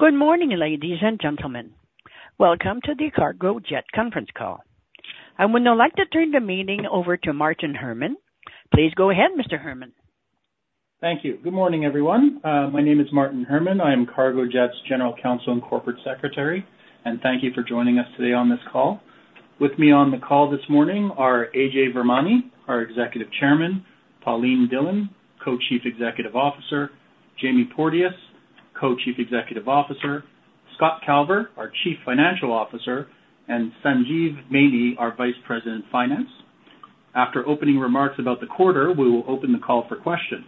Good morning, ladies and gentlemen. Welcome to the Cargojet conference call. I would now like to turn the meeting over to Martin Herman. Please go ahead, Mr. Herman. Thank you. Good morning, everyone. My name is Martin Herman. I am Cargojet's General Counsel and Corporate Secretary, and thank you for joining us today on this call. With me on the call this morning are Ajay Virmani, our Executive Chairman, Pauline Dhillon, Co-Chief Executive Officer, Jamie Porteous, Co-Chief Executive Officer, Scott Calver, our Chief Financial Officer, and Sanjeev Maini, our Vice President, Finance. After opening remarks about the quarter, we will open the call for questions.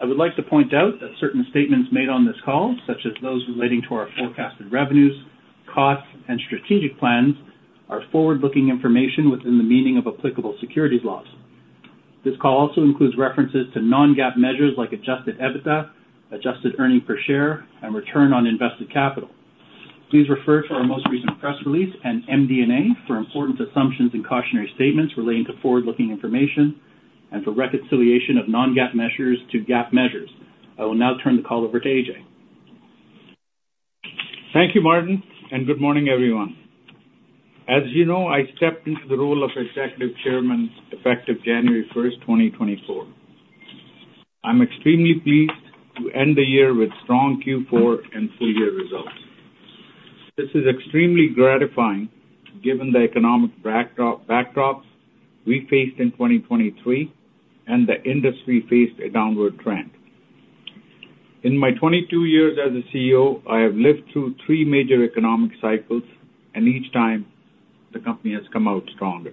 I would like to point out that certain statements made on this call, such as those relating to our forecasted revenues, costs, and strategic plans, are forward-looking information within the meaning of applicable securities laws. This call also includes references to non-GAAP measures like Adjusted EBITDA, Adjusted Earnings Per Share, and Return on Invested Capital. Please refer to our most recent press release and MD&A for important assumptions and cautionary statements relating to forward-looking information and for reconciliation of non-GAAP measures to GAAP measures. I will now turn the call over to Ajay. Thank you, Martin, and good morning, everyone. As you know, I stepped into the role of Executive Chairman, effective January 1, 2024. I'm extremely pleased to end the year with strong Q4 and full-year results. This is extremely gratifying given the economic backdrops we faced in 2023 and the industry faced a downward trend. In my 22 years as a CEO, I have lived through 3 major economic cycles, and each time the company has come out stronger.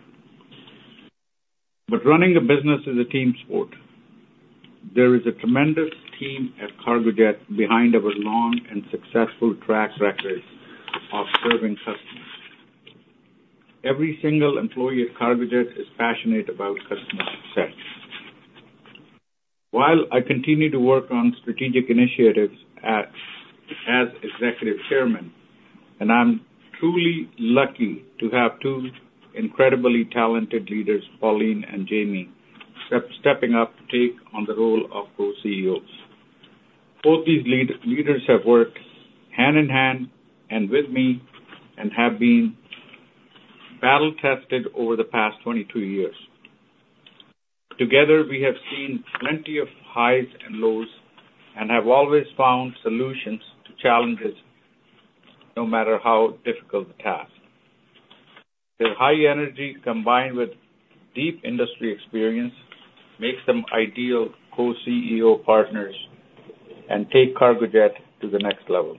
But running a business is a team sport. There is a tremendous team at Cargojet behind our long and successful track record of serving customers. Every single employee at Cargojet is passionate about customer success. While I continue to work on strategic initiatives as Executive Chairman, and I'm truly lucky to have two incredibly talented leaders, Pauline and Jamie, stepping up to take on the role of co-CEOs. Both these leaders have worked hand-in-hand and with me and have been battle-tested over the past 22 years. Together, we have seen plenty of highs and lows and have always found solutions to challenges, no matter how difficult the task. Their high energy, combined with deep industry experience, makes them ideal co-CEO partners and take Cargojet to the next level.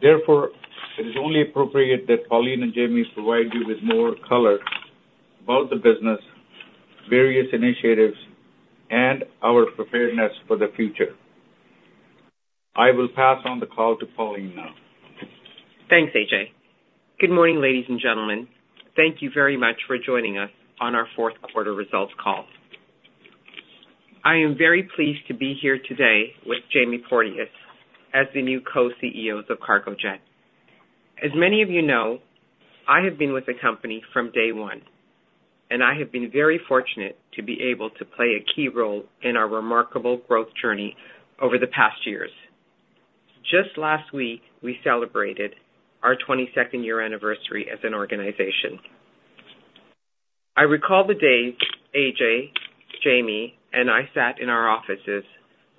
Therefore, it is only appropriate that Pauline and Jamie provide you with more color about the business, various initiatives, and our preparedness for the future. I will pass on the call to Pauline now. Thanks, Ajay. Good morning, ladies and gentlemen. Thank you very much for joining us on our fourth quarter results call. I am very pleased to be here today with Jamie Porteous as the new co-CEOs of Cargojet. As many of you know, I have been with the company from day one, and I have been very fortunate to be able to play a key role in our remarkable growth journey over the past years. Just last week, we celebrated our 22nd-year anniversary as an organization. I recall the day Ajay, Jamie, and I sat in our offices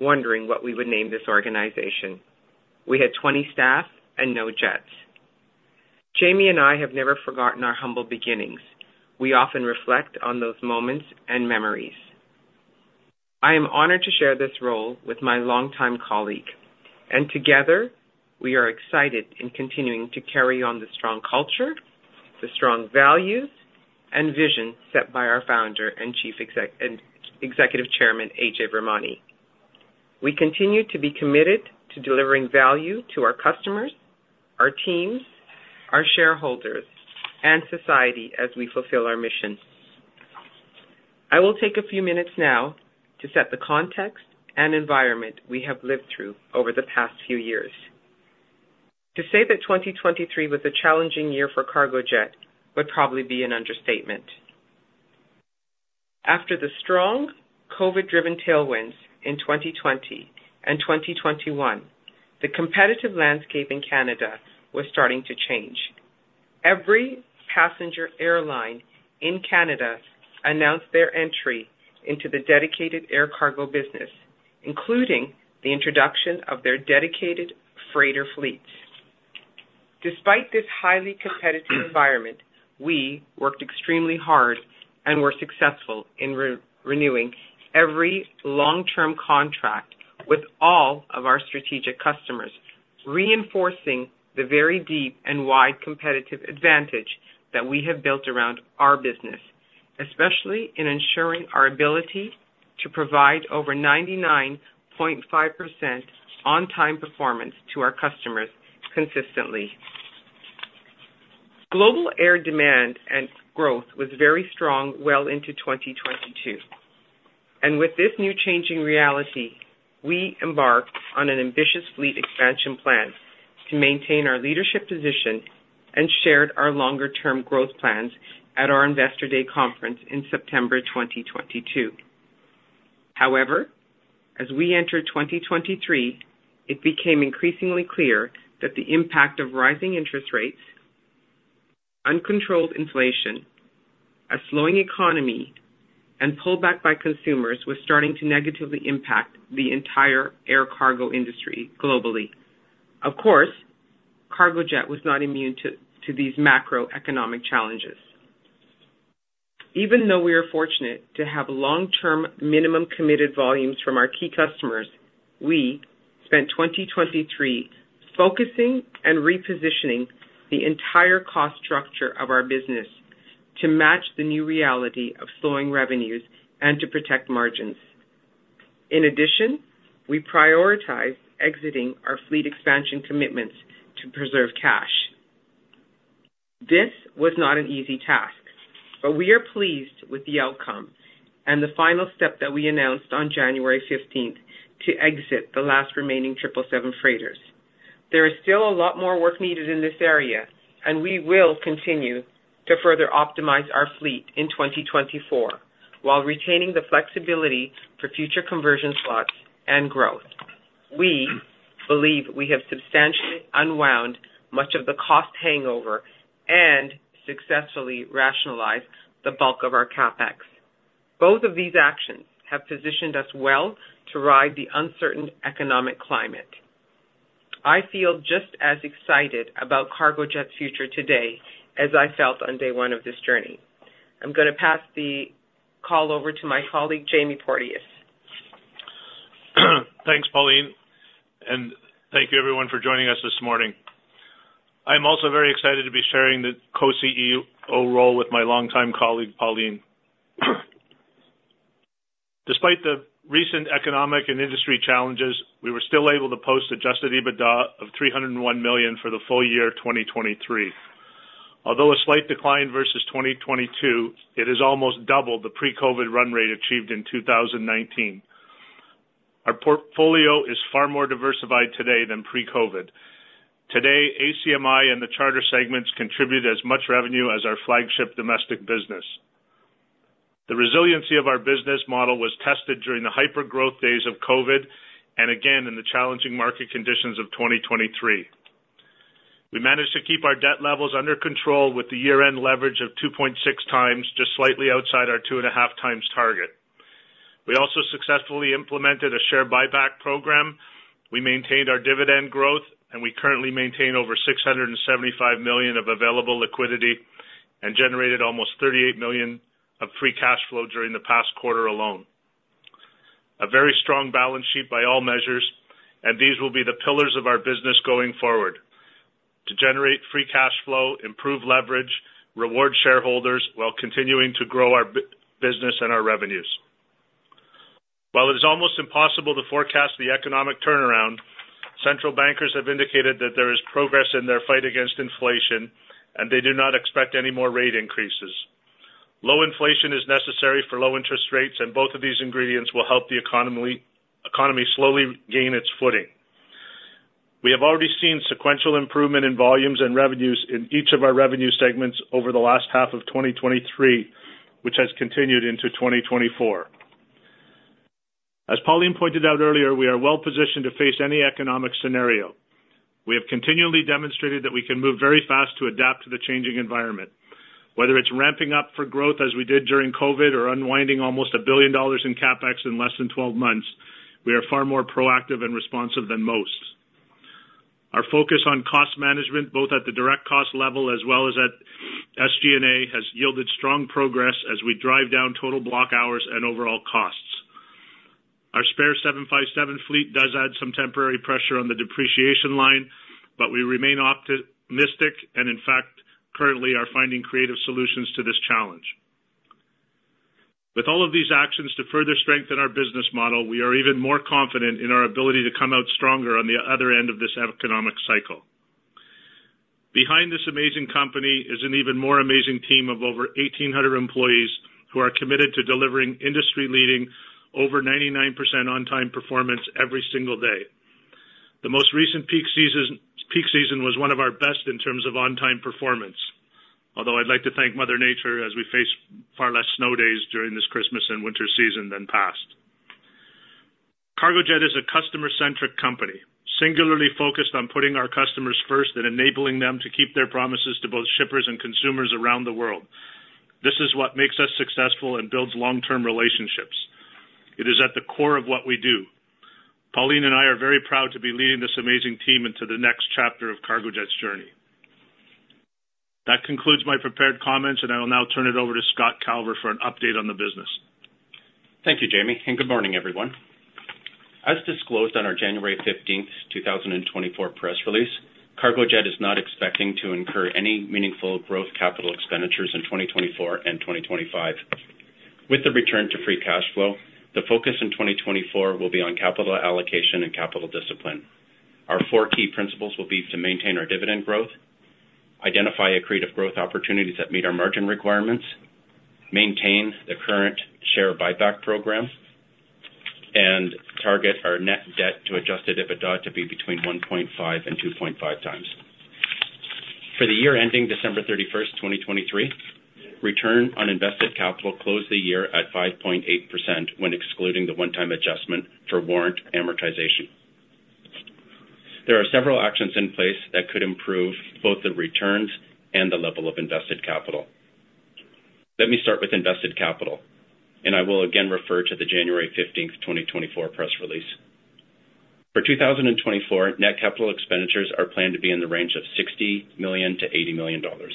wondering what we would name this organization. We had 20 staff and no jets. Jamie and I have never forgotten our humble beginnings. We often reflect on those moments and memories. I am honored to share this role with my longtime colleague, and together, we are excited in continuing to carry on the strong culture, the strong values, and vision set by our founder and chief executive and Executive Chairman, Ajay Virmani. We continue to be committed to delivering value to our customers, our teams, our shareholders, and society as we fulfill our mission. I will take a few minutes now to set the context and environment we have lived through over the past few years. To say that 2023 was a challenging year for Cargojet would probably be an understatement. After the strong COVID-driven tailwinds in 2020 and 2021, the competitive landscape in Canada was starting to change. Every passenger airline in Canada announced their entry into the dedicated air cargo business, including the introduction of their dedicated freighter fleets. Despite this highly competitive environment, we worked extremely hard and were successful in re-renewing every long-term contract with all of our strategic customers, reinforcing the very deep and wide competitive advantage that we have built around our business, especially in ensuring our ability to provide over 99.5% on-time performance to our customers consistently. Global air demand and growth was very strong well into 2022, and with this new changing reality, we embarked on an ambitious fleet expansion plan to maintain our leadership position and shared our longer-term growth plans at our Investor Day conference in September 2022.... However, as we entered 2023, it became increasingly clear that the impact of rising interest rates, uncontrolled inflation, a slowing economy, and pull back by consumers was starting to negatively impact the entire air cargo industry globally. Of course, Cargojet was not immune to these macroeconomic challenges. Even though we are fortunate to have long-term minimum committed volumes from our key customers, we spent 2023 focusing and repositioning the entire cost structure of our business to match the new reality of slowing revenues and to protect margins. In addition, we prioritized exiting our fleet expansion commitments to preserve cash. This was not an easy task, but we are pleased with the outcome and the final step that we announced on January fifteenth, to exit the last remaining 777 freighters. There is still a lot more work needed in this area, and we will continue to further optimize our fleet in 2024, while retaining the flexibility for future conversion slots and growth. We believe we have substantially unwound much of the cost hangover and successfully rationalized the bulk of our CapEx. Both of these actions have positioned us well to ride the uncertain economic climate. I feel just as excited about Cargojet's future today as I felt on day one of this journey. I'm gonna pass the call over to my colleague, Jamie Porteous. Thanks, Pauline, and thank you everyone for joining us this morning. I'm also very excited to be sharing the co-CEO role with my longtime colleague, Pauline. Despite the recent economic and industry challenges, we were still able to post adjusted EBITDA of 301 million for the full year of 2023. Although a slight decline versus 2022, it is almost double the pre-COVID run rate achieved in 2019. Our portfolio is far more diversified today than pre-COVID. Today, ACMI and the charter segments contribute as much revenue as our flagship domestic business. The resiliency of our business model was tested during the hyper-growth days of COVID, and again, in the challenging market conditions of 2023. We managed to keep our debt levels under control with the year-end leverage of 2.6 times, just slightly outside our 2.5 times target. We also successfully implemented a share buyback program. We maintained our dividend growth, and we currently maintain over 675 million of available liquidity and generated almost 38 million of free cash flow during the past quarter alone. A very strong balance sheet by all measures, and these will be the pillars of our business going forward: to generate free cash flow, improve leverage, reward shareholders, while continuing to grow our business and our revenues. While it is almost impossible to forecast the economic turnaround, central bankers have indicated that there is progress in their fight against inflation, and they do not expect any more rate increases. Low inflation is necessary for low interest rates, and both of these ingredients will help the economy slowly gain its footing. We have already seen sequential improvement in volumes and revenues in each of our revenue segments over the last half of 2023, which has continued into 2024. As Pauline pointed out earlier, we are well positioned to face any economic scenario. We have continually demonstrated that we can move very fast to adapt to the changing environment. Whether it's ramping up for growth as we did during COVID, or unwinding almost 1 billion dollars in CapEx in less than 12 months, we are far more proactive and responsive than most. Our focus on cost management, both at the direct cost level as well as at SG&A, has yielded strong progress as we drive down total block hours and overall costs. Our spare 757 fleet does add some temporary pressure on the depreciation line, but we remain optimistic and in fact, currently are finding creative solutions to this challenge. With all of these actions to further strengthen our business model, we are even more confident in our ability to come out stronger on the other end of this economic cycle. Behind this amazing company is an even more amazing team of over 1,800 employees who are committed to delivering industry-leading over 99% on-time performance every single day. The most recent peak seasons—peak season was one of our best in terms of on-time performance. Although I'd like to thank Mother Nature, as we face far less snow days during this Christmas and winter season than past. Cargojet is a customer-centric company, singularly focused on putting our customers first and enabling them to keep their promises to both shippers and consumers around the world. This is what makes us successful and builds long-term relationships. It is at the core of what we do. Pauline and I are very proud to be leading this amazing team into the next chapter of Cargojet's journey. That concludes my prepared comments, and I will now turn it over to Scott Calver for an update on the business. Thank you, Jamie, and good morning, everyone. As disclosed on our January fifteenth, 2024 press release, Cargojet is not expecting to incur any meaningful growth capital expenditures in 2024 and 2025. With the return to free cash flow, the focus in 2024 will be on capital allocation and capital discipline. Our four key principles will be to maintain our dividend growth, identify accretive growth opportunities that meet our margin requirements, maintain the current share buyback program, and target our net debt to Adjusted EBITDA to be between 1.5 and 2.5 times. ...For the year ending December 31, 2023, return on invested capital closed the year at 5.8% when excluding the one-time adjustment for warrant amortization. There are several actions in place that could improve both the returns and the level of invested capital. Let me start with invested capital, and I will again refer to the January 15, 2024 press release. For 2024, net capital expenditures are planned to be in the range of 60 million-80 million dollars.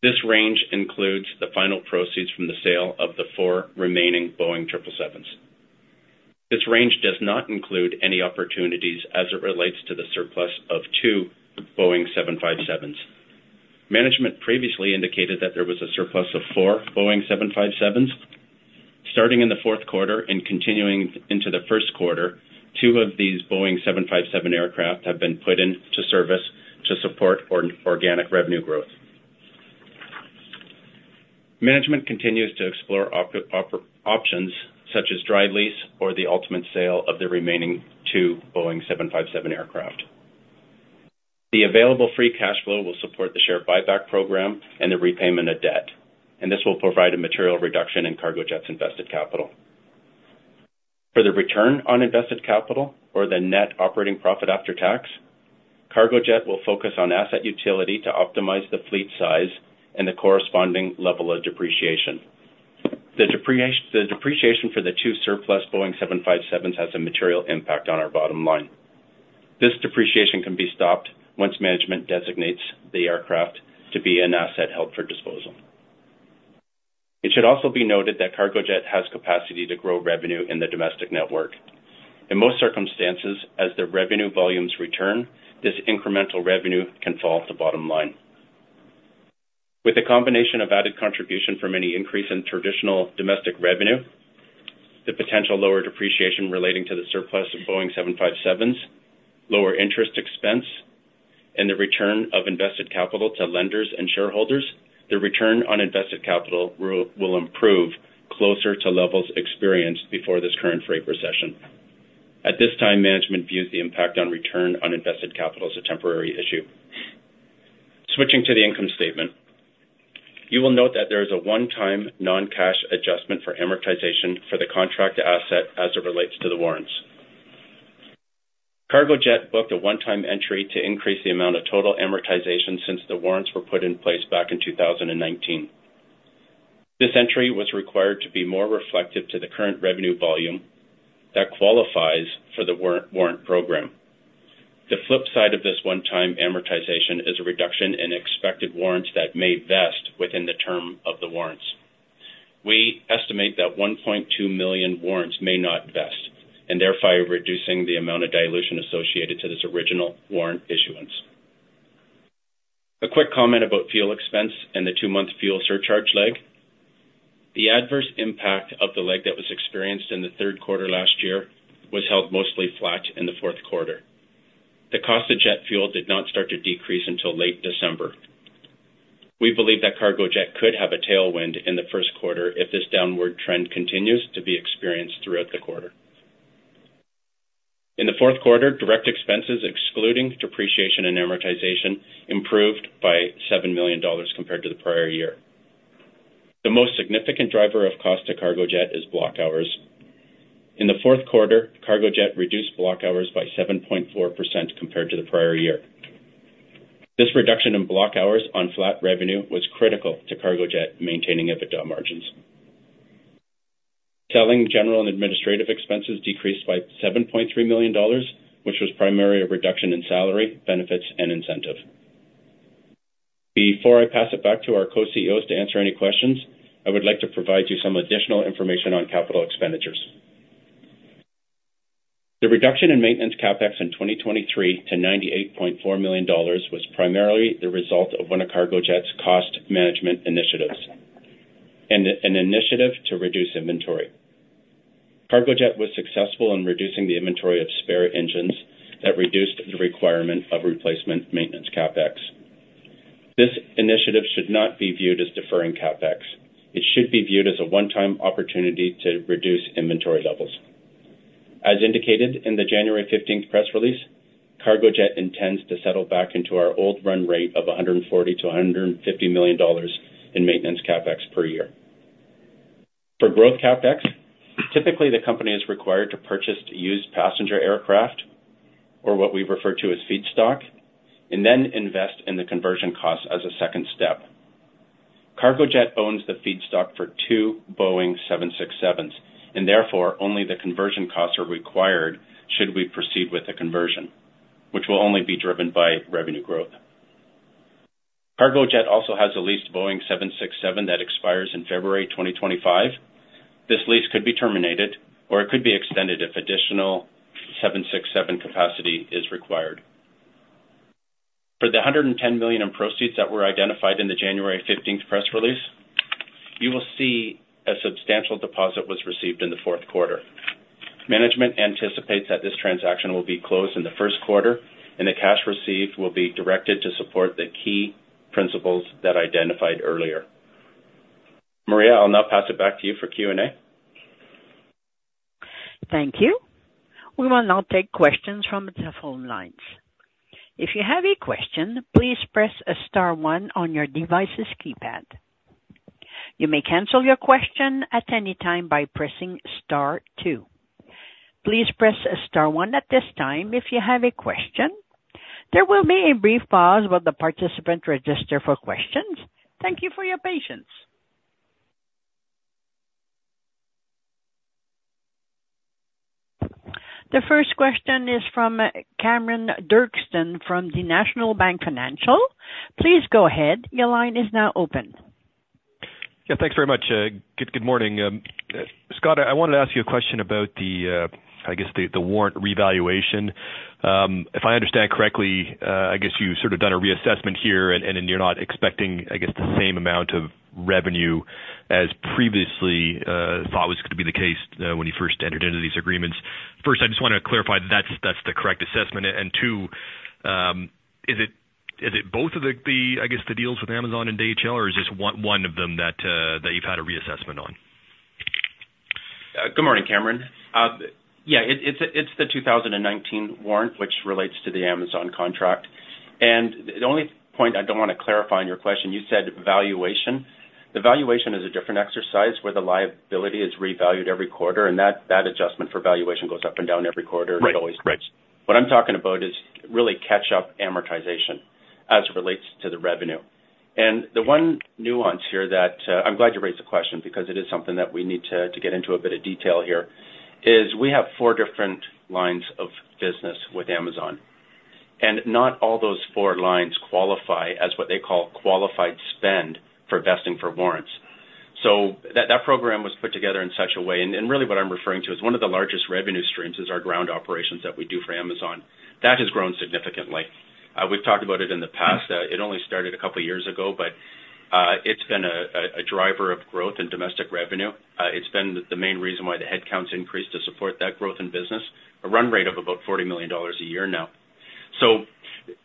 This range includes the final proceeds from the sale of the four remaining Boeing 777s. This range does not include any opportunities as it relates to the surplus of two Boeing 757s. Management previously indicated that there was a surplus of four Boeing 757s. Starting in the fourth quarter and continuing into the first quarter, two of these Boeing 757 aircraft have been put into service to support organic revenue growth. Management continues to explore options such as dry lease or the ultimate sale of the remaining two Boeing 757 aircraft. The available free cash flow will support the share buyback program and the repayment of debt, and this will provide a material reduction in Cargojet's invested capital. For the Return on Invested Capital or the net operating profit after tax, Cargojet will focus on asset utility to optimize the fleet size and the corresponding level of depreciation. The depreciation for the two surplus Boeing 757s has a material impact on our bottom line. This depreciation can be stopped once management designates the aircraft to be an asset held for disposal. It should also be noted that Cargojet has capacity to grow revenue in the domestic network. In most circumstances, as the revenue volumes return, this incremental revenue can fall at the bottom line. With a combination of added contribution from any increase in traditional domestic revenue, the potential lower depreciation relating to the surplus of Boeing 757s, lower interest expense, and the return of invested capital to lenders and shareholders, the return on invested capital will improve closer to levels experienced before this current freight recession. At this time, management views the impact on return on invested capital as a temporary issue. Switching to the income statement. You will note that there is a one-time non-cash adjustment for amortization for the contract asset as it relates to the warrants. Cargojet booked a one-time entry to increase the amount of total amortization since the warrants were put in place back in 2019. This entry was required to be more reflective to the current revenue volume that qualifies for the warrant program. The flip side of this one-time amortization is a reduction in expected warrants that may vest within the term of the warrants. We estimate that 1.2 million warrants may not vest, and therefore reducing the amount of dilution associated to this original warrant issuance. A quick comment about fuel expense and the two-month fuel surcharge lag. The adverse impact of the lag that was experienced in the third quarter last year was held mostly flat in the fourth quarter. The cost of jet fuel did not start to decrease until late December. We believe that Cargojet could have a tailwind in the first quarter if this downward trend continues to be experienced throughout the quarter. In the fourth quarter, direct expenses, excluding depreciation and amortization, improved by 7 million dollars compared to the prior year. The most significant driver of cost to Cargojet is block hours. In the fourth quarter, Cargojet reduced block hours by 7.4% compared to the prior year. This reduction in block hours on flat revenue was critical to Cargojet maintaining EBITDA margins. Selling, general, and administrative expenses decreased by 7.3 million dollars, which was primarily a reduction in salary, benefits, and incentive. Before I pass it back to our Co-CEOs to answer any questions, I would like to provide you some additional information on capital expenditures. The reduction in maintenance CapEx in 2023 to 98.4 million dollars was primarily the result of one of Cargojet's cost management initiatives and an initiative to reduce inventory. Cargojet was successful in reducing the inventory of spare engines that reduced the requirement of replacement maintenance CapEx. This initiative should not be viewed as deferring CapEx. It should be viewed as a one-time opportunity to reduce inventory levels. As indicated in the January 15th press release, Cargojet intends to settle back into our old run rate of 140 million-150 million dollars in maintenance CapEx per year. For growth CapEx, typically, the company is required to purchase used passenger aircraft, or what we refer to as feedstock, and then invest in the conversion costs as a second step. Cargojet owns the feedstock for two Boeing 767s, and therefore only the conversion costs are required should we proceed with the conversion, which will only be driven by revenue growth. Cargojet also has a leased Boeing 767 that expires in February 2025. This lease could be terminated, or it could be extended if additional 767 capacity is required. For the 110 million in proceeds that were identified in the January 15 press release, you will see a substantial deposit was received in the fourth quarter. Management anticipates that this transaction will be closed in the first quarter, and the cash received will be directed to support the key principles that identified earlier. Maria, I'll now pass it back to you for Q&A. ...Thank you. We will now take questions from the phone lines. If you have a question, please press star one on your device's keypad. You may cancel your question at any time by pressing star two. Please press star one at this time, if you have a question. There will be a brief pause while the participant register for questions. Thank you for your patience. The first question is from Cameron Doerksen from the National Bank Financial. Please go ahead. Your line is now open. Yeah, thanks very much. Good morning. Scott, I wanted to ask you a question about the, I guess, the warrant revaluation. If I understand correctly, I guess you've sort of done a reassessment here, and you're not expecting, I guess, the same amount of revenue as previously thought was going to be the case, when you first entered into these agreements. First, I just wanted to clarify that's the correct assessment. And two, is it both of the, I guess, the deals with Amazon and DHL, or is just one of them that you've had a reassessment on? Good morning, Cameron. Yeah, it's the 2019 warrant, which relates to the Amazon contract. The only point I don't want to clarify in your question, you said valuation. The valuation is a different exercise, where the liability is revalued every quarter, and that adjustment for valuation goes up and down every quarter. Right. Right. What I'm talking about is really catch up amortization as it relates to the revenue. The one nuance here that I'm glad you raised the question, because it is something that we need to get into a bit of detail here, is we have four different lines of business with Amazon, and not all those four lines qualify as what they call qualified spend for vesting for warrants. So that program was put together in such a way, and really what I'm referring to is one of the largest revenue streams is our ground operations that we do for Amazon. That has grown significantly. We've talked about it in the past. It only started a couple of years ago, but it's been a driver of growth and domestic revenue. It's been the main reason why the head counts increased to support that growth in business, a run rate of about 40 million dollars a year now. So,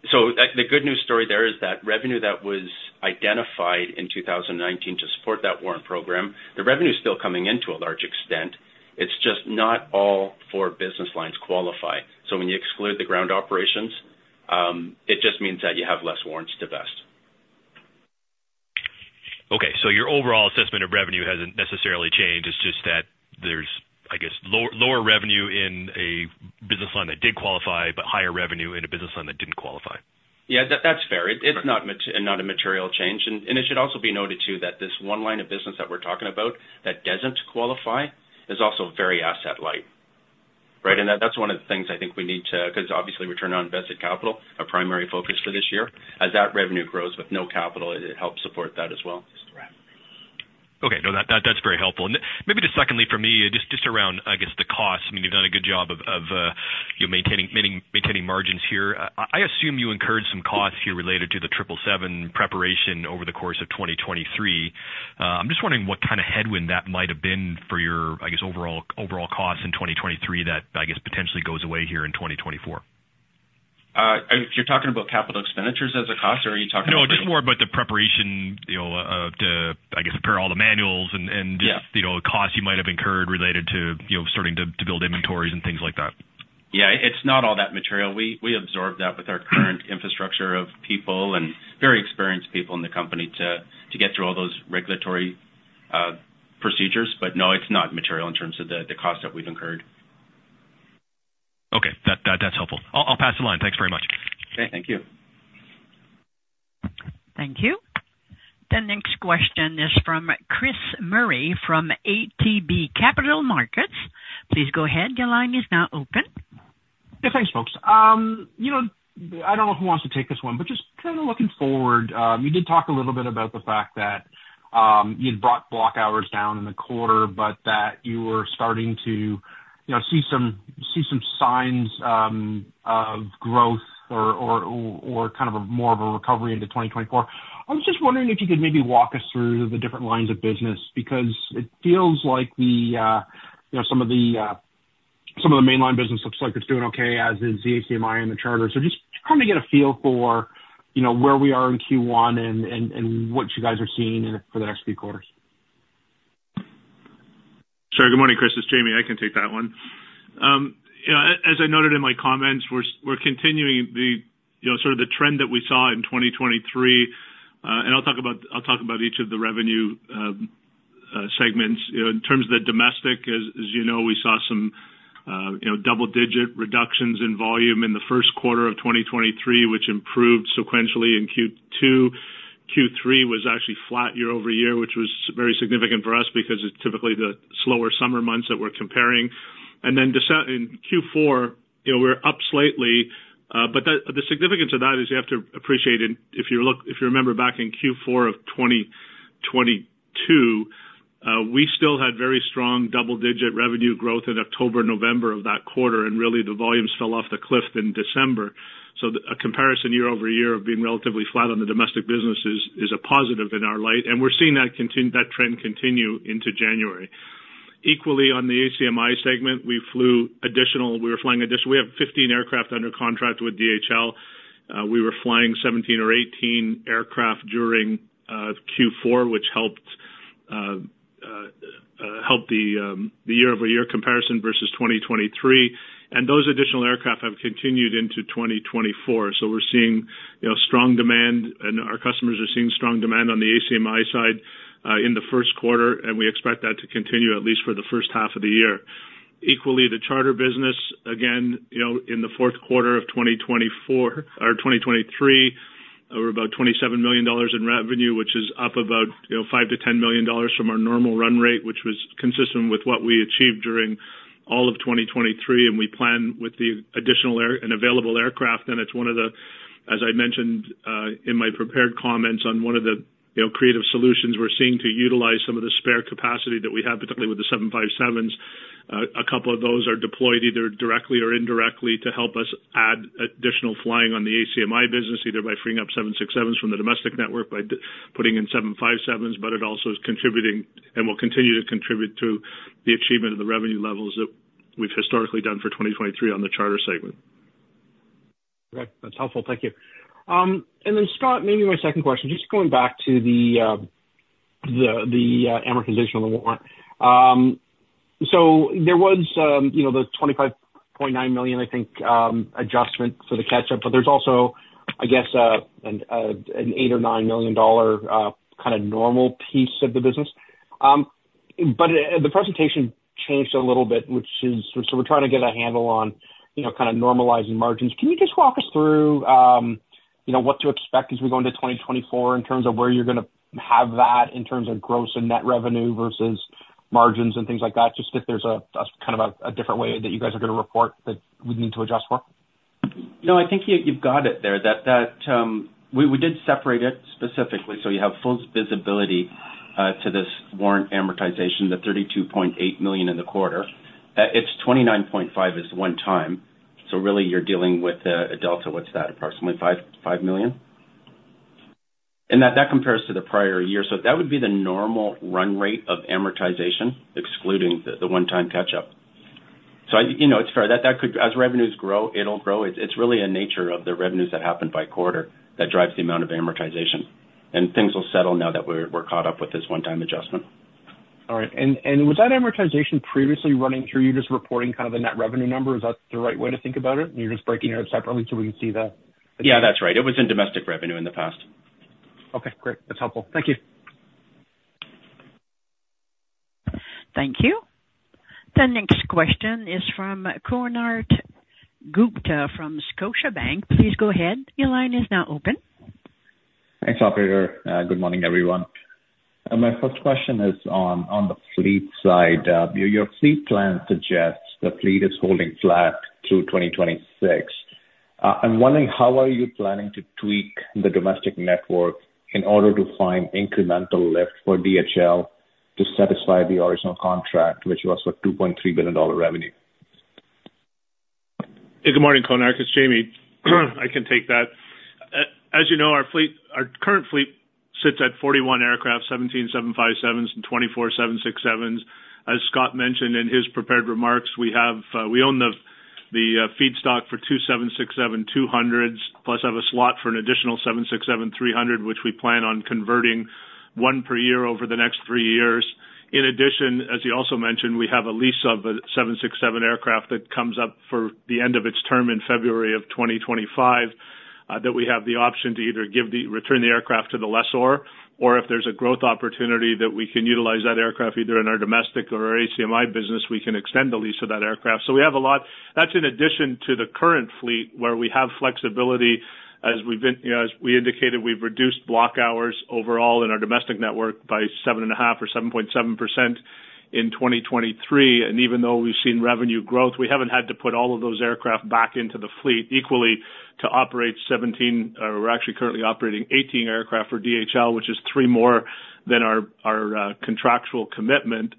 so the good news story there is that revenue that was identified in 2019 to support that warrant program, the revenue is still coming in to a large extent. It's just not all four business lines qualify. So when you exclude the ground operations, it just means that you have less warrants to vest. Okay, so your overall assessment of revenue hasn't necessarily changed; it's just that there's, I guess, lower revenue in a business line that did qualify, but higher revenue in a business line that didn't qualify. Yeah, that's fair. It's not a material change. And it should also be noted that this one line of business that we're talking about that doesn't qualify is also very asset light. Right? And that's one of the things I think we need to... 'cause obviously, return on invested capital, a primary focus for this year. As that revenue grows with no capital, it helps support that as well. Okay, no, that, that's very helpful. Maybe just secondly, for me, just around, I guess, the cost. I mean, you've done a good job of maintaining margins here. I assume you incurred some costs here related to the 777 preparation over the course of 2023. I'm just wondering what kind of headwind that might have been for your, I guess, overall costs in 2023, that I guess, potentially goes away here in 2024. You're talking about capital expenditures as a cost, or are you talking about- No, just more about the preparation, you know, of the, I guess, prepare all the manuals and- Yeah and just, you know, costs you might have incurred related to, you know, starting to build inventories and things like that. Yeah, it's not all that material. We absorbed that with our current infrastructure of people and very experienced people in the company to get through all those regulatory procedures. But no, it's not material in terms of the cost that we've incurred. Okay. That's helpful. I'll pass the line. Thanks very much. Okay, thank you. Thank you. The next question is from Chris Murray, from ATB Capital Markets. Please go ahead. Your line is now open. Yeah, thanks, folks. You know, I don't know who wants to take this one, but just kind of looking forward, you did talk a little bit about the fact that you'd brought block hours down in the quarter, but that you were starting to, you know, see some, see some signs of growth or, or, or kind of a more of a recovery into 2024. I was just wondering if you could maybe walk us through the different lines of business, because it feels like the, you know, some of the, some of the mainline business looks like it's doing okay, as is the ACMI and the charter. So just trying to get a feel for, you know, where we are in Q1 and, and, and what you guys are seeing for the next few quarters. Sure. Good morning, Chris, it's Jamie. I can take that one. Yeah, as I noted in my comments, we're continuing the, you know, sort of the trend that we saw in 2023. And I'll talk about each of the revenue segments. You know, in terms of the domestic, as you know, we saw some, you know, double-digit reductions in volume in the first quarter of 2023, which improved sequentially in Q2. Q3 was actually flat year-over-year, which was very significant for us because it's typically the slower summer months that we're comparing. And then in Q4, you know, we're up slightly, but the significance of that is you have to appreciate it. If you remember, back in Q4 of 2022, we still had very strong double-digit revenue growth in October, November of that quarter, and really, the volumes fell off the cliff in December. So the comparison year-over-year of being relatively flat on the domestic business is a positive in our light, and we're seeing that trend continue into January. Equally, on the ACMI segment, we have 15 aircraft under contract with DHL. We were flying 17 or 18 aircraft during Q4, which helped the year-over-year comparison versus 2023. And those additional aircraft have continued into 2024. So we're seeing, you know, strong demand, and our customers are seeing strong demand on the ACMI side in the first quarter, and we expect that to continue at least for the first half of the year. Equally, the charter business, again, you know, in the fourth quarter of 2024 or 2023, were about 27 million dollars in revenue, which is up about, you know, 5-10 million dollars from our normal run rate, which was consistent with what we achieved during all of 2023, and we plan with the additional air and available aircraft. And it's one of the, as I mentioned, in my prepared comments on one of the, you know, creative solutions, we're seeing to utilize some of the spare capacity that we have, particularly with the 757s. A couple of those are deployed either directly or indirectly to help us add additional flying on the ACMI business, either by freeing up 767s from the domestic network, by putting in 757s, but it also is contributing and will continue to contribute to the achievement of the revenue levels that we've historically done for 2023 on the charter segment. Okay, that's helpful. Thank you. And then, Scott, maybe my second question, just going back to the amortization on the warrant. So there was, you know, the 25.9 million, I think, adjustment for the catch up, but there's also, I guess, an 8 or 9 million dollar kind of normal piece of the business. But the presentation changed a little bit, which is so we're trying to get a handle on, you know, kind of normalizing margins. Can you just walk us through, you know, what to expect as we go into 2024 in terms of where you're gonna have that in terms of gross and net revenue versus margins and things like that, just if there's a kind of a different way that you guys are gonna report that we'd need to adjust for? No, I think you, you've got it there, that we did separate it specifically, so you have full visibility to this warrant amortization, the 32.8 million in the quarter. It's 29.5 million is one time, so really, you're dealing with a delta, what's that? Approximately 5 million. And that compares to the prior year. So that would be the normal run rate of amortization, excluding the one-time catch-up. So, you know, it's fair. That could-- as revenues grow, it'll grow. It's really a nature of the revenues that happen by quarter that drives the amount of amortization. And things will settle now that we're caught up with this one-time adjustment. All right. And was that amortization previously running through you just reporting kind of the net revenue number? Is that the right way to think about it, and you're just breaking it out separately so we can see the- Yeah, that's right. It was in domestic revenue in the past. Okay, great. That's helpful. Thank you. Thank you. The next question is from Konark Gupta from Scotiabank. Please go ahead. Your line is now open. Thanks, operator. Good morning, everyone. My first question is on, on the fleet side. Your, your fleet plan suggests the fleet is holding flat through 2026. I'm wondering, how are you planning to tweak the domestic network in order to find incremental lift for DHL to satisfy the original contract, which was for $2.3 billion revenue? Good morning, Konark, it's Jamie. I can take that. As you know, our current fleet sits at 41 aircraft, 17 757s and 24 767s. As Scott mentioned in his prepared remarks, we have, we own the feedstock for two 767-200s, plus have a slot for an additional 767-300, which we plan on converting 1 per year over the next 3 years. In addition, as he also mentioned, we have a lease of a 767 aircraft that comes up for the end of its term in February of 2025, that we have the option to either return the aircraft to the lessor, or if there's a growth opportunity, that we can utilize that aircraft either in our domestic or our ACMI business, we can extend the lease of that aircraft. So we have a lot... That's in addition to the current fleet, where we have flexibility, as we've been, you know, as we indicated, we've reduced block hours overall in our domestic network by 7.5 or 7.7% in 2023. Even though we've seen revenue growth, we haven't had to put all of those aircraft back into the fleet equally to operate 17, or we're actually currently operating 18 aircraft for DHL, which is 3 more than our contractual commitment.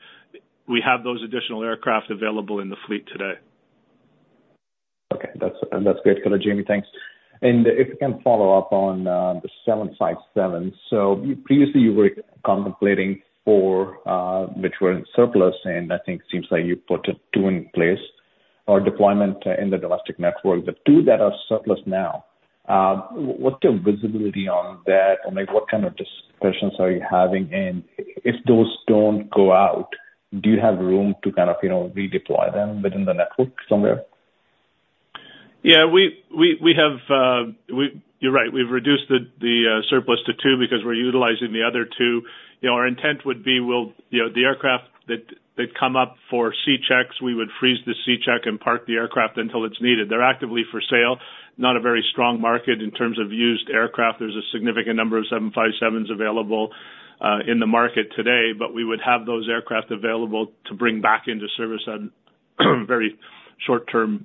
We have those additional aircraft available in the fleet today. Okay. That's, that's great, Jamie. Thanks. And if you can follow up on the 757s. So you previously you were contemplating 4, which were in surplus, and I think seems like you put 2 in place or deployment in the domestic network. The 2 that are surplus now, what's your visibility on that? Or, like, what kind of discussions are you having? And if those don't go out, do you have room to kind of, you know, redeploy them within the network somewhere? Yeah, we have—you're right, we've reduced the surplus to 2 because we're utilizing the other 2. You know, our intent would be, we'll... You know, the aircraft that come up for C-checks, we would freeze the C-checks and park the aircraft until it's needed. They're actively for sale. Not a very strong market in terms of used aircraft. There's a significant number of 757s available in the market today, but we would have those aircraft available to bring back into service at very short-term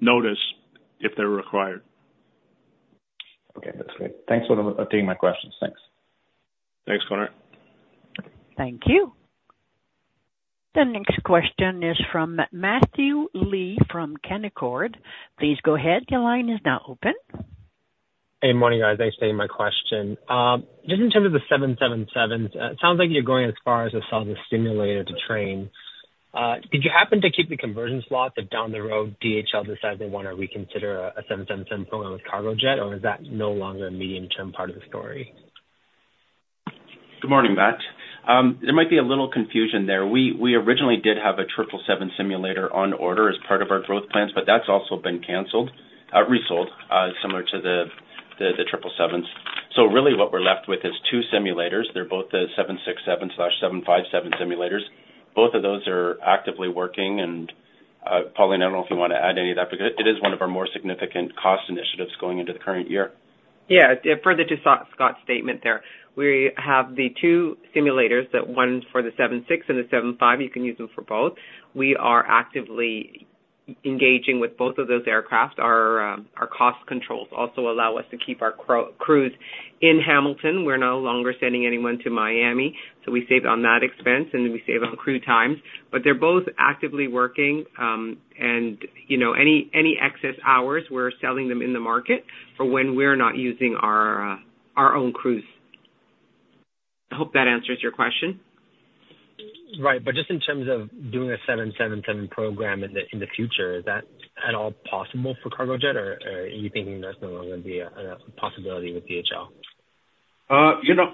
notice if they're required. Okay, that's great. Thanks for taking my questions. Thanks. Thanks, Konark. Thank you. The next question is from Matthew Lee from Canaccord. Please go ahead. Your line is now open. Hey, morning, guys. Thanks for taking my question. Just in terms of the 777s, it sounds like you're going as far as to sell the simulator to train. Did you happen to keep the conversion slots that down the road DHL decides they want to reconsider a 777 program with Cargojet, or is that no longer a medium-term part of the story? Good morning, Matt. There might be a little confusion there. We originally did have a 777 simulator on order as part of our growth plans, but that's also been canceled, resold, similar to the 777s. So really what we're left with is two simulators. They're both the 767/757 simulators. Both of those are actively working, and Pauline, I don't know if you want to add any of that, because it is one of our more significant cost initiatives going into the current year. Yeah, further to Scott, Scott's statement there, we have the two simulators, that one for the 767 and the 757. You can use them for both. We are actively engaging with both of those aircraft. Our cost controls also allow us to keep our crews in Hamilton. We're no longer sending anyone to Miami, so we save on that expense, and we save on crew times. But they're both actively working. And, you know, any excess hours, we're selling them in the market for when we're not using our own crews. I hope that answers your question. Right. But just in terms of doing a 777 program in the future, is that at all possible for Cargojet, or are you thinking that's no longer a possibility with DHL? You know,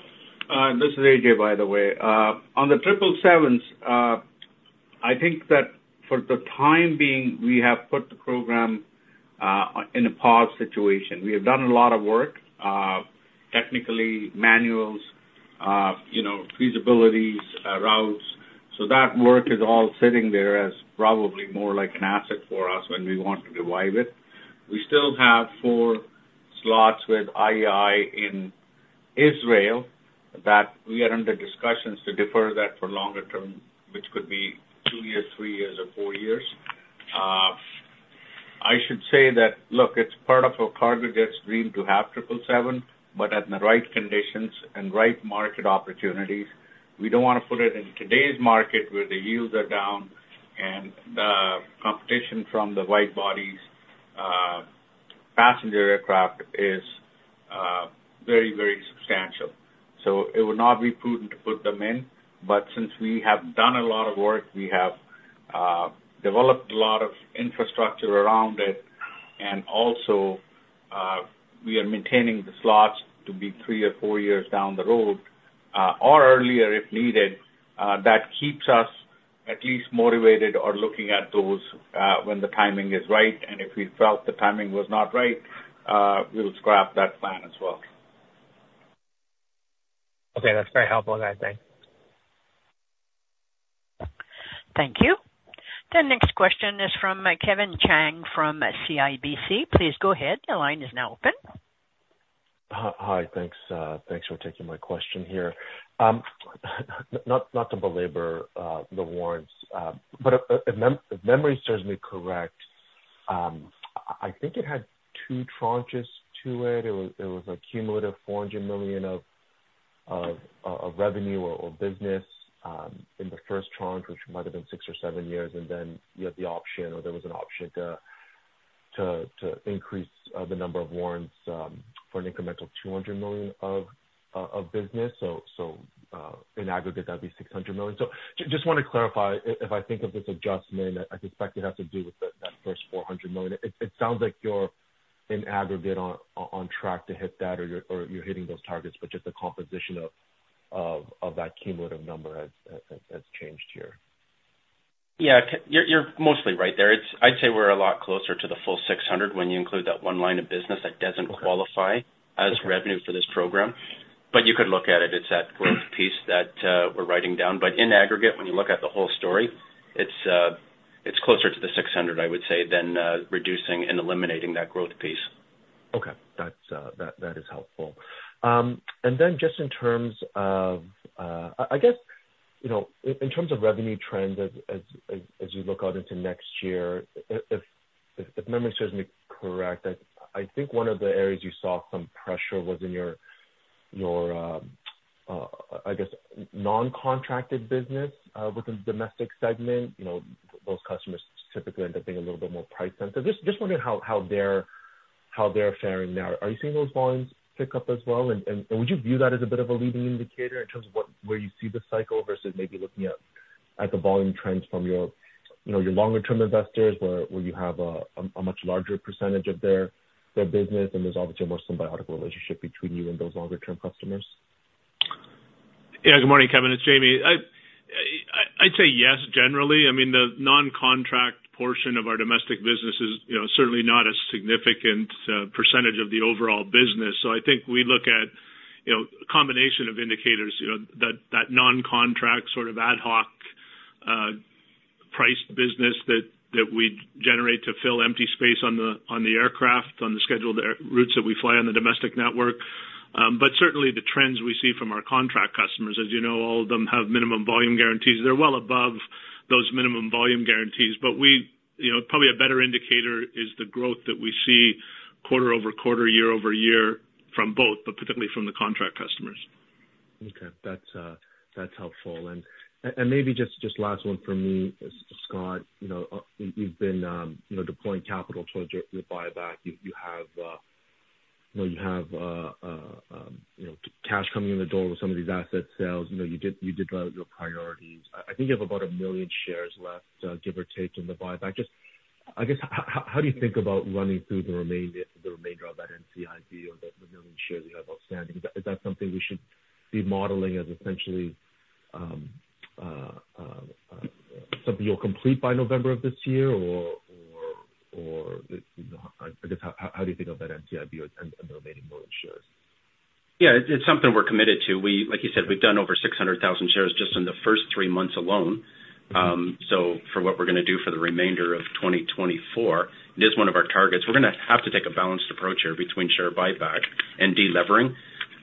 this is AJ, by the way. On the 777s, I think that for the time being, we have put the program in a pause situation. We have done a lot of work, technically, manuals, you know, feasibilities, routes. So that work is all sitting there as probably more like an asset for us when we want to revive it. We still have four slots with IAI in Israel that we are under discussions to defer that for longer term, which could be two years, three years, or four years. I should say that, look, it's part of a Cargojet's dream to have 777, but at the right conditions and right market opportunities. We don't want to put it in today's market, where the yields are down and the competition from the wide-bodies, passenger aircraft is, very, very substantial. So it would not be prudent to put them in. But since we have done a lot of work, we have developed a lot of infrastructure around it. And also, we are maintaining the slots to be three or four years down the road, or earlier, if needed. That keeps us at least motivated or looking at those, when the timing is right. And if we felt the timing was not right, we'll scrap that plan as well. Okay, that's very helpful, guys. Thanks. Thank you. The next question is from Kevin Chiang, from CIBC. Please go ahead. The line is now open. Hi. Hi, thanks. Thanks for taking my question here. Not to belabor the warrants, but if memory serves me correct, I think it had two tranches to it. It was a cumulative 400 million of revenue or business in the first tranche, which might have been six or seven years. Then you had the option, or there was an option to increase the number of warrants for an incremental 200 million of business. In aggregate, that'd be 600 million. Just want to clarify, if I think of this adjustment, I suspect it has to do with that first 400 million. It sounds like you're in aggregate on track to hit that, or you're hitting those targets, but just the composition of that cumulative number has changed here. Yeah, you're, you're mostly right there. It's-- I'd say we're a lot closer to the full 600 when you include that one line of business that doesn't qualify- Okay. as revenue for this program. But you could look at it, it's that growth piece that we're writing down. But in aggregate, when you look at the whole story, it's, it's closer to the 600, I would say, than reducing and eliminating that growth piece. Okay. That's helpful. And then just in terms of... I guess, you know, in terms of revenue trends as you look out into next year, if memory serves me correct, I think one of the areas you saw some pressure was in your I guess, non-contracted business within the domestic segment. You know, those customers typically end up being a little bit more price sensitive. Just wondering how they're faring now. Are you seeing those volumes pick up as well? Would you view that as a bit of a leading indicator in terms of where you see the cycle, versus maybe looking at the volume trends from your, you know, your longer-term investors, where you have a much larger percentage of their business, and there's obviously a more symbiotic relationship between you and those longer-term customers? Yeah. Good morning, Kevin, it's Jamie. I'd say yes, generally. I mean, the non-contract portion of our domestic business is, you know, certainly not a significant percentage of the overall business. So I think we look at, you know, a combination of indicators, you know, that non-contract, sort of ad hoc priced business that we generate to fill empty space on the aircraft, on the scheduled air routes that we fly on the domestic network. But certainly, the trends we see from our contract customers, as you know, all of them have minimum volume guarantees. They're well above those minimum volume guarantees. But you know, probably a better indicator is the growth that we see quarter-over-quarter, year-over-year from both, but particularly from the contract customers. Okay, that's helpful. And maybe just last one for me, Scott. You know, you've been, you know, deploying capital towards your buyback. You have. Well, you have, you know, cash coming in the door with some of these asset sales. You know, you did lay out your priorities. I think you have about 1 million shares left, give or take, in the buyback. Just, I guess, how do you think about running through the remaining, the remainder of that NCIB or the 1 million shares you have outstanding? Is that something we should be modeling as essentially something you'll complete by November of this year? Or, I guess, how do you think of that NCIB and the remaining 1 million shares? Yeah, it's something we're committed to. We—like you said, we've done over 600,000 shares just in the first three months alone. So for what we're gonna do for the remainder of 2024, it is one of our targets. We're gonna have to take a balanced approach here between share buyback and delevering.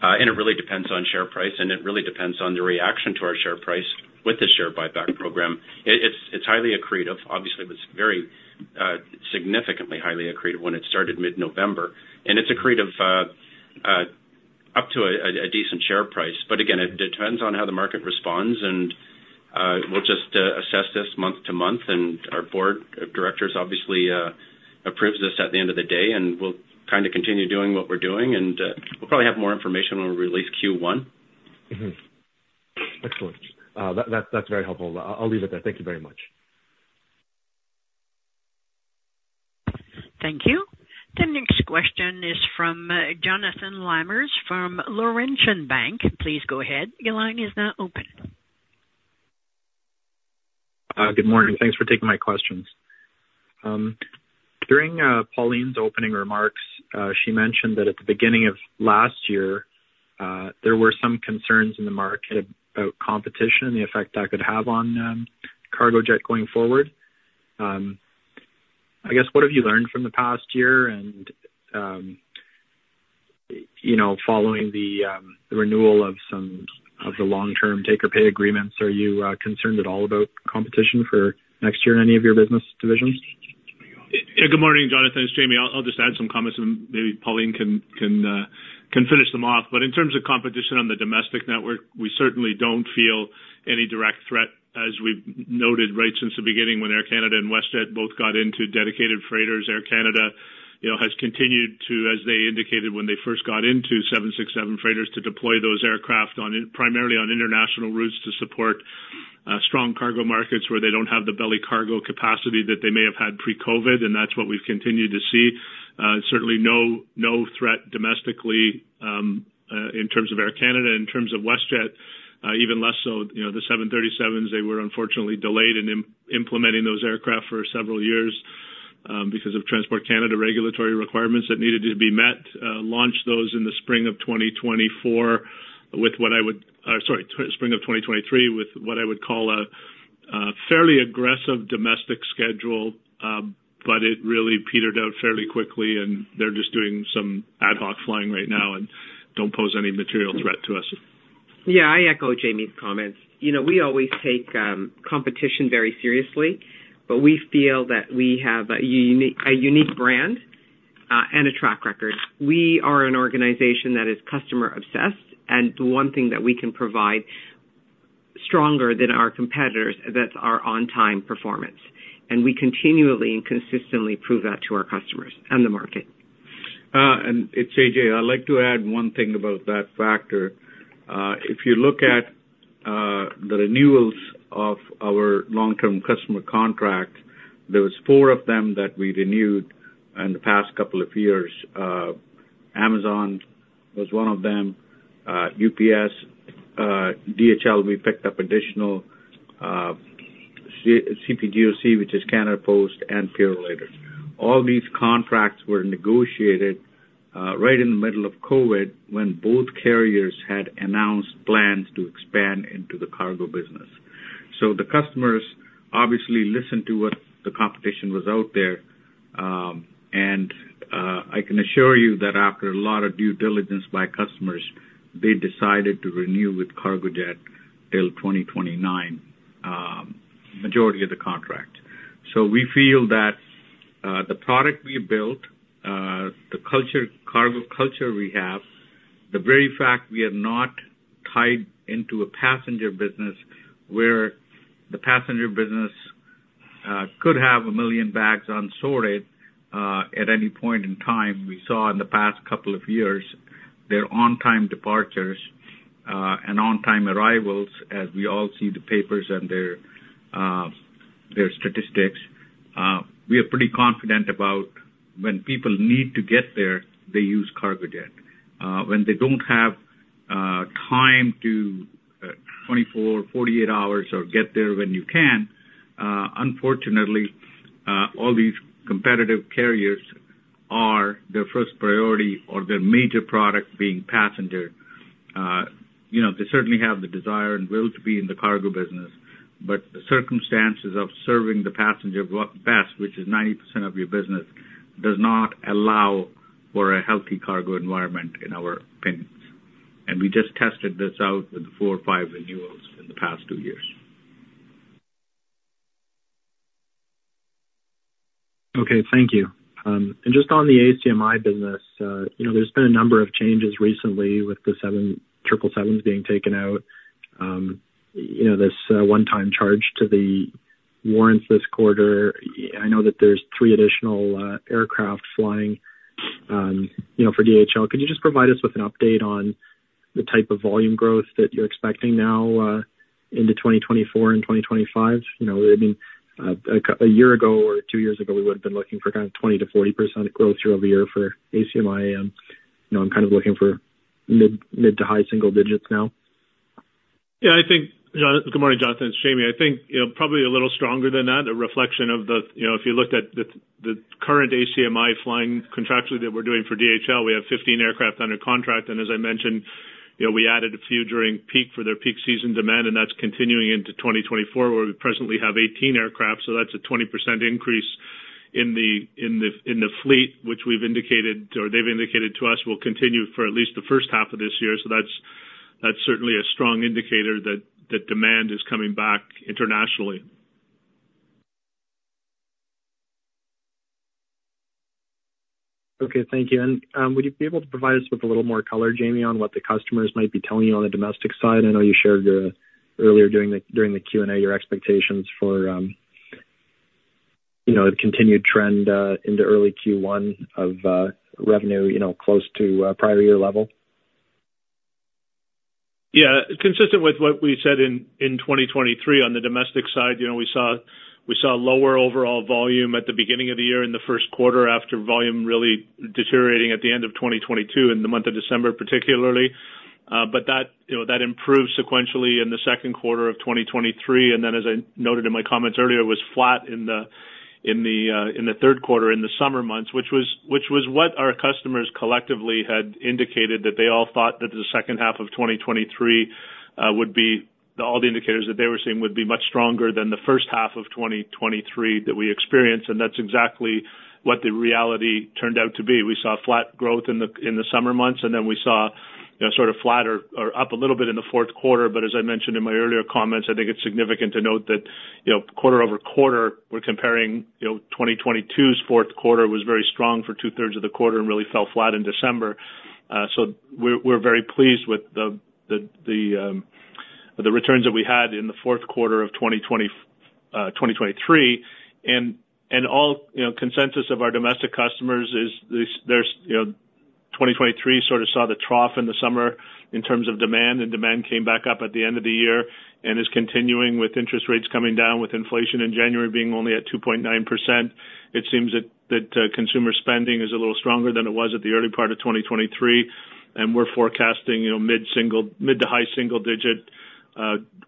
And it really depends on share price, and it really depends on the reaction to our share price with the share buyback program. It's highly accretive. Obviously, it was very significantly highly accretive when it started mid-November, and it's accretive up to a decent share price. But again, it depends on how the market responds, and we'll just assess this month to month, and our board of directors obviously approves this at the end of the day, and we'll kind of continue doing what we're doing, and we'll probably have more information when we release Q1. Mm-hmm. Excellent. That, that's very helpful. I'll leave it there. Thank you very much. Thank you. The next question is from Jonathan Lamers from Laurentian Bank. Please go ahead. Your line is now open. Good morning. Thanks for taking my questions. During Pauline's opening remarks, she mentioned that at the beginning of last year, there were some concerns in the market about competition and the effect that could have on Cargojet going forward. I guess, what have you learned from the past year? And, you know, following the renewal of some of the long-term take or pay agreements, are you concerned at all about competition for next year in any of your business divisions? Good morning, Jonathan, it's Jamie. I'll just add some comments, and maybe Pauline can finish them off. But in terms of competition on the domestic network, we certainly don't feel any direct threat, as we've noted right since the beginning, when Air Canada and WestJet both got into dedicated freighters. Air Canada, you know, has continued to, as they indicated when they first got into 767 freighters, to deploy those aircraft on primarily on international routes to support strong cargo markets where they don't have the belly cargo capacity that they may have had pre-COVID, and that's what we've continued to see. Certainly no threat domestically in terms of Air Canada. In terms of WestJet, even less so. You know, the 737s, they were unfortunately delayed in implementing those aircraft for several years, because of Transport Canada regulatory requirements that needed to be met. Launched those in the spring of 2024, with what I would... Sorry, spring of 2023, with what I would call a fairly aggressive domestic schedule. But it really petered out fairly quickly, and they're just doing some ad hoc flying right now and don't pose any material threat to us. Yeah, I echo Jamie's comments. You know, we always take competition very seriously, but we feel that we have a unique brand and a track record. We are an organization that is customer obsessed, and the one thing that we can provide stronger than our competitors, that's our on-time performance. And we continually and consistently prove that to our customers and the market. And it's AJ, I'd like to add one thing about that factor. If you look at the renewals of our long-term customer contract, there was 4 of them that we renewed in the past couple of years. Amazon was one of them, UPS, DHL, we picked up additional, C- CPGOC, which is Canada Post and Purolator. All these contracts were negotiated right in the middle of COVID, when both carriers had announced plans to expand into the cargo business. So the customers obviously listened to what the competition was out there, and I can assure you that after a lot of due diligence by customers, they decided to renew with Cargojet till 2029, majority of the contract. So we feel that, the product we built, the culture, cargo culture we have, the very fact we are not tied into a passenger business, where the passenger business could have 1 million bags unsorted, at any point in time. We saw in the past couple of years, their on-time departures, and on-time arrivals, as we all see the papers and their, their statistics. We are pretty confident about when people need to get there, they use Cargojet. When they don't have, time to, 24, 48 hours or get there when you can, unfortunately, all these competitive carriers are their first priority or their major product being passenger. You know, they certainly have the desire and will to be in the cargo business, but the circumstances of serving the passenger work best, which is 90% of your business, does not allow for a healthy cargo environment, in our opinion. And we just tested this out with four or five renewals in the past two years. Okay. Thank you. Just on the ACMI business, you know, there's been a number of changes recently with the 777s being taken out. You know, this one-time charge to the warrants this quarter. I know that there's 3 additional aircraft flying for DHL. Could you just provide us with an update on the type of volume growth that you're expecting now into 2024 and 2025? You know, I mean, a year ago or two years ago, we would have been looking for kind of 20%-40% growth year-over-year for ACMI. You know, I'm kind of looking for mid to high single digits now. Yeah, I think Jonathan—Good morning, Jonathan. It's Jamie. I think, you know, probably a little stronger than that. A reflection of the, you know, if you looked at the, the current ACMI flying contractually that we're doing for DHL, we have 15 aircraft under contract. And as I mentioned, you know, we added a few during peak for their peak season demand, and that's continuing into 2024, where we presently have 18 aircraft. So that's, that's certainly a strong indicator that, that demand is coming back internationally. Okay. Thank you. And would you be able to provide us with a little more color, Jamie, on what the customers might be telling you on the domestic side? I know you shared your expectations earlier during the Q&A for you know the continued trend revenue you know close to prior year level. Yeah. Consistent with what we said in 2023, on the domestic side, you know, we saw lower overall volume at the beginning of the year, in the first quarter, after volume really deteriorating at the end of 2022, in the month of December, particularly. But that, you know, that improved sequentially in the second quarter of 2023, and then, as I noted in my comments earlier, was flat in the third quarter, in the summer months, which was what our customers collectively had indicated, that they all thought that the second half of 2023 would be... All the indicators that they were seeing would be much stronger than the first half of 2023 that we experienced, and that's exactly what the reality turned out to be. We saw flat growth in the summer months, and then we saw, you know, sort of flatter or up a little bit in the fourth quarter. But as I mentioned in my earlier comments, I think it's significant to note that, you know, quarter-over-quarter, we're comparing 2022's fourth quarter was very strong for two-thirds of the quarter and really fell flat in December. So we're very pleased with the returns that we had in the fourth quarter of 2023. All, you know, consensus of our domestic customers is this, there's, you know, 2023 sort of saw the trough in the summer in terms of demand, and demand came back up at the end of the year and is continuing with interest rates coming down, with inflation in January being only at 2.9%. It seems that that consumer spending is a little stronger than it was at the early part of 2023, and we're forecasting, you know, mid- to high-single-digit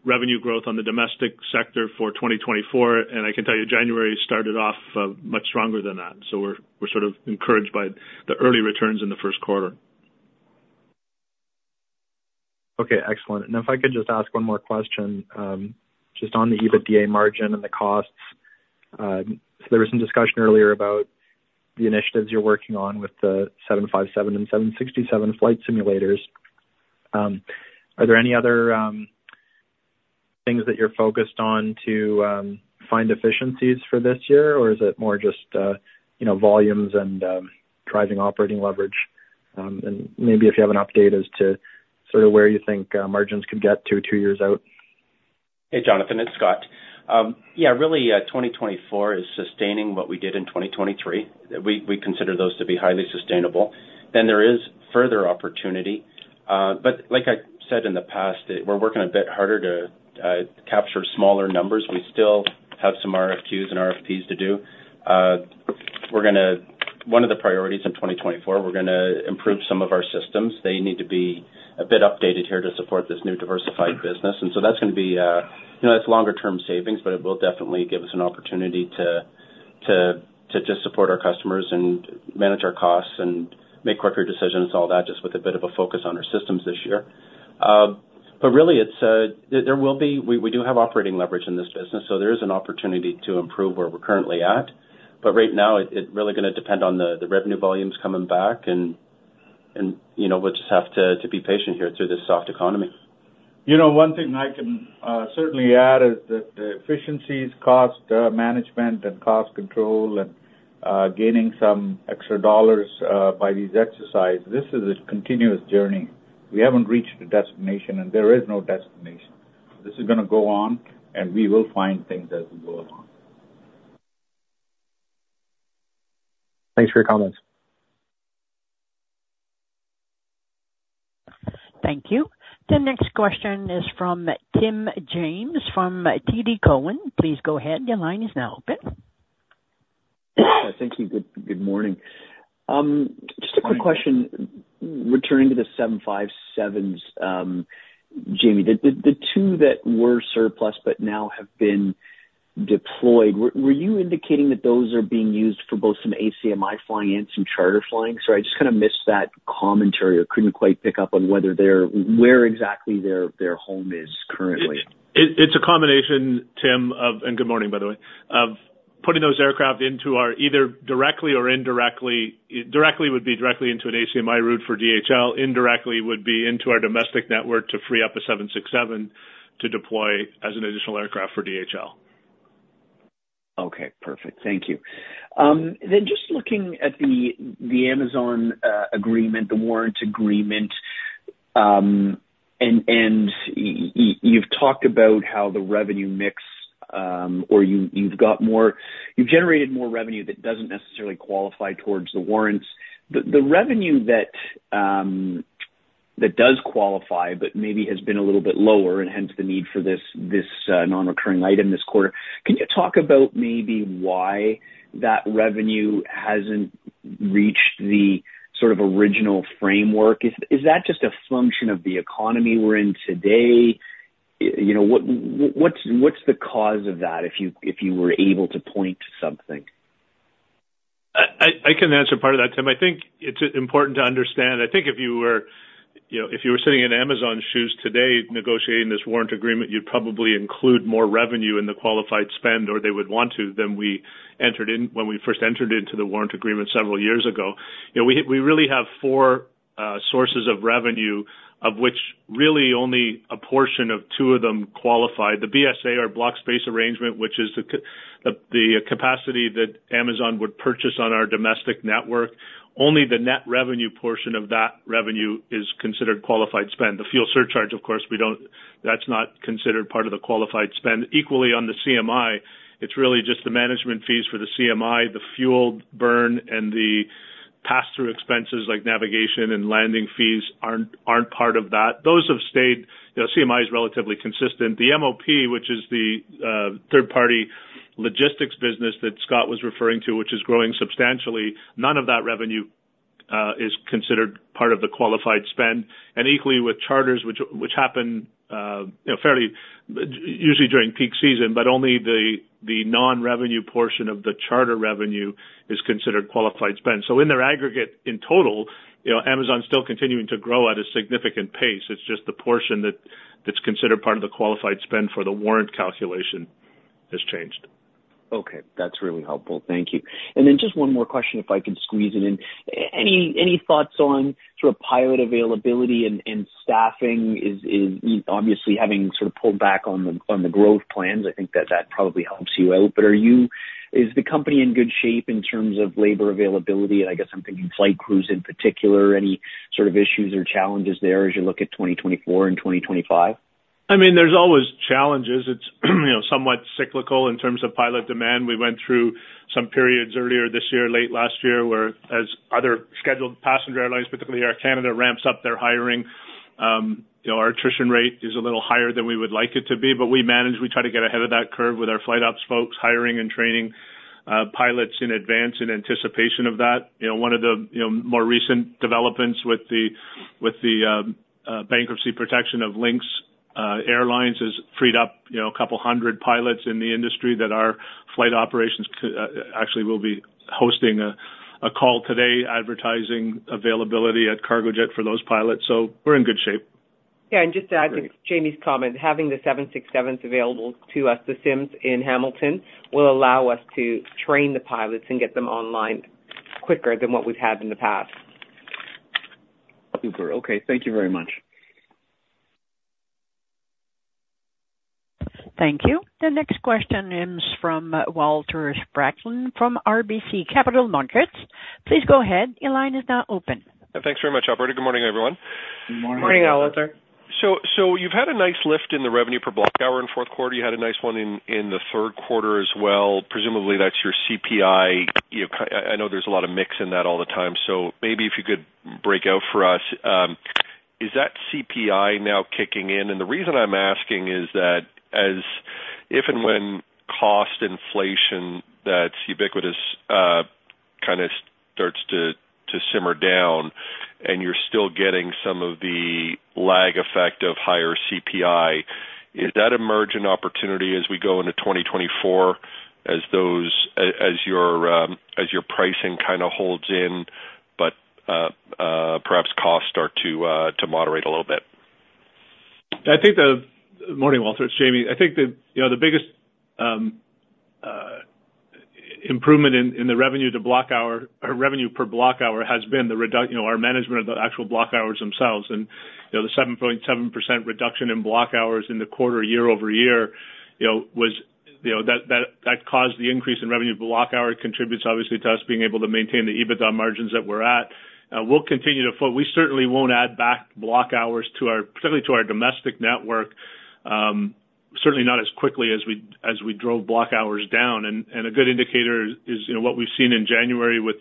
revenue growth on the domestic sector for 2024. And I can tell you, January started off much stronger than that. So we're sort of encouraged by the early returns in the first quarter. Okay, excellent. And if I could just ask one more question, just on the EBITDA margin and the costs. So there was some discussion earlier about the initiatives you're working on with the 757 and 767 flight simulators. Are there any other things that you're focused on to find efficiencies for this year? Or is it more just, you know, volumes and driving operating leverage? And maybe if you have an update as to sort of where you think margins could get to two years out. Hey, Jonathan, it's Scott. Yeah, really, 2024 is sustaining what we did in 2023. We, we consider those to be highly sustainable. Then there is further opportunity, but like I said in the past, we're working a bit harder to capture smaller numbers. We still have some RFQs and RFPs to do. We're gonna. One of the priorities in 2024, we're gonna improve some of our systems. They need to be a bit updated here to support this new diversified business. And so that's gonna be, you know, that's longer term savings, but it will definitely give us an opportunity to, to, to just support our customers and manage our costs and make quicker decisions, all that, just with a bit of a focus on our systems this year. But really, it's there will be- we do have operating leverage in this business, so there is an opportunity to improve where we're currently at. But right now, it's really gonna depend on the revenue volumes coming back and, you know, we'll just have to be patient here through this soft economy. You know, one thing I can certainly add is that the efficiencies, cost management, and cost control and gaining some extra dollars by these exercises, this is a continuous journey. We haven't reached the destination, and there is no destination. This is gonna go on, and we will find things as we go along. Thanks for your comments. Thank you. The next question is from Tim James, from TD Cowen. Please go ahead. Your line is now open. Thank you. Good morning. Just a quick question. Returning to the 757s, Jamie, the 2 that were surplus but now have been deployed, were you indicating that those are being used for both some ACMI flying and some charter flying? Sorry, I just kind of missed that commentary or couldn't quite pick up on whether they're--where exactly their home is currently. It's a combination, Tim, of... and good morning, by the way, of putting those aircraft into our either directly or indirectly, directly would be directly into an ACMI route for DHL, indirectly would be into our domestic network to free up a 767 to deploy as an additional aircraft for DHL. Okay, perfect. Thank you. Then just looking at the Amazon agreement, the warrants agreement. And you've talked about how the revenue mix or you've got more—you've generated more revenue that doesn't necessarily qualify towards the warrants. The revenue that does qualify but maybe has been a little bit lower, and hence the need for this non-recurring item this quarter, can you talk about maybe why that revenue hasn't reached the sort of original framework? Is that just a function of the economy we're in today? You know, what's the cause of that, if you were able to point to something? I can answer part of that, Tim. I think it's important to understand, I think if you were, you know, if you were sitting in Amazon's shoes today negotiating this warrant agreement, you'd probably include more revenue in the qualified spend, or they would want to, than we entered in, when we first entered into the warrant agreement several years ago. You know, we really have four sources of revenue, of which really only a portion of two of them qualify. The BSA, or Block Space Arrangement, which is the capacity that Amazon would purchase on our domestic network, only the net revenue portion of that revenue is considered qualified spend. The fuel surcharge, of course, we don't. That's not considered part of the qualified spend. Equally, on the CMI, it's really just the management fees for the CMI, the fuel burn and the pass-through expenses, like navigation and landing fees, aren't part of that. Those have stayed. You know, CMI is relatively consistent. The 3PL, which is the third-party logistics business that Scott was referring to, which is growing substantially, none of that revenue is considered part of the qualified spend. And equally with charters, which happen, you know, fairly usually during peak season, but only the non-revenue portion of the charter revenue is considered qualified spend. So in their aggregate, in total, you know, Amazon's still continuing to grow at a significant pace. It's just the portion that's considered part of the qualified spend for the warrant calculation has changed. Okay, that's really helpful. Thank you. And then just one more question, if I could squeeze it in. Any thoughts on sort of pilot availability and staffing? Is obviously having sort of pulled back on the growth plans, I think that that probably helps you out. But is the company in good shape in terms of labor availability? And I guess I'm thinking flight crews in particular. Any sort of issues or challenges there as you look at 2024 and 2025? I mean, there's always challenges. It's, you know, somewhat cyclical in terms of pilot demand. We went through some periods earlier this year, late last year, where as other scheduled passenger airlines, particularly Air Canada, ramps up their hiring, you know, our attrition rate is a little higher than we would like it to be. But we manage, we try to get ahead of that curve with our flight ops folks, hiring and training, pilots in advance in anticipation of that. You know, one of the, you know, more recent developments with the, with the, bankruptcy protection of Lynx Airlines has freed up, you know, a couple hundred pilots in the industry that our flight operations actually, we'll be hosting a, a call today advertising availability at Cargojet for those pilots, so we're in good shape. Yeah, and just to add to Jamie's comment, having the 767s available to us, the sims in Hamilton, will allow us to train the pilots and get them online quicker than what we've had in the past. Super. Okay, thank you very much. Thank you. The next question is from Walter Spracklin from RBC Capital Markets. Please go ahead. Your line is now open. Thanks very much, operator. Good morning, everyone. Good morning. Morning, Walter. So you've had a nice lift in the revenue per block hour in fourth quarter. You had a nice one in the third quarter as well. Presumably, that's your CPI. You know, I know there's a lot of mix in that all the time, so maybe if you could break out for us, is that CPI now kicking in? And the reason I'm asking is that as if and when cost inflation that's ubiquitous kind of starts to simmer down, and you're still getting some of the lag effect of higher CPI, is that an emerging opportunity as we go into 2024, as those as your as your pricing kind of holds in, but perhaps costs start to moderate a little bit? Morning, Walter, it's Jamie. I think the, you know, the biggest improvement in the revenue to block hour or revenue per block hour has been the reduction, you know, our management of the actual block hours themselves. And, you know, the 7.7% reduction in block hours in the quarter, year-over-year, you know, was, you know, that caused the increase in revenue per block hour. It contributes, obviously, to us being able to maintain the EBITDA margins that we're at. We'll continue to. We certainly won't add back block hours to our, particularly to our domestic network, certainly not as quickly as we drove block hours down. And a good indicator is, you know, what we've seen in January with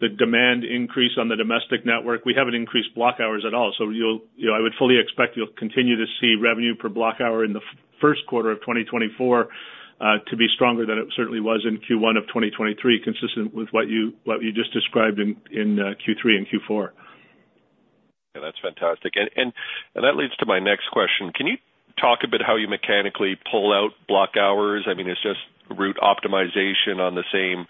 the demand increase on the domestic network. We haven't increased block hours at all, so you'll, you know, I would fully expect you'll continue to see revenue per block hour in the first quarter of 2024 to be stronger than it certainly was in Q1 of 2023, consistent with what you just described in Q3 and Q4. Yeah, that's fantastic. And that leads to my next question: Can you talk about how you mechanically pull out block hours? I mean, it's just route optimization on the same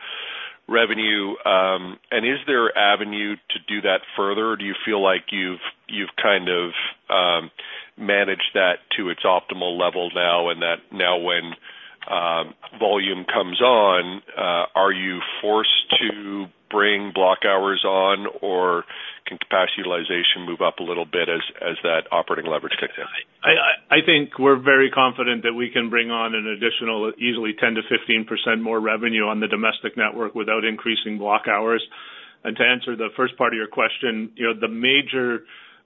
revenue. And is there avenue to do that further, or do you feel like you've kind of managed that to its optimal level now, and that now when volume comes on, are you forced to bring block hours on, or can capacity utilization move up a little bit as that operating leverage kicks in?... I think we're very confident that we can bring on an additional easily 10%-15% more revenue on the domestic network without increasing block hours. And to answer the first part of your question, you know, the major